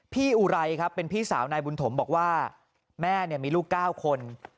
อุไรครับเป็นพี่สาวนายบุญถมบอกว่าแม่มีลูก๙คน